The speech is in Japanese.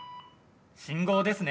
信号ですね。